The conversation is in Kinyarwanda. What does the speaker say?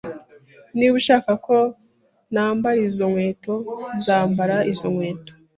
Niba ushaka ko nambara izo nkweto, nzambara izo nkweto